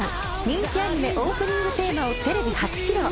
人気アニメオープニングテーマをテレビ初披露。